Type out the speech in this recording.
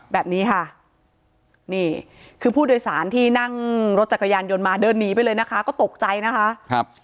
แบบนี้ค่ะนี่คือผู้โดยสารที่นั่งรถจักรยานยนต์มาเดินหนีไปเลยนะคะก็ตกใจนะคะ